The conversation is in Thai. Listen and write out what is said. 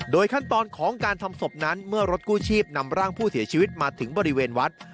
ขั้นตอนของการทำศพนั้นเมื่อรถกู้ชีพนำร่างผู้เสียชีวิตมาถึงบริเวณวัด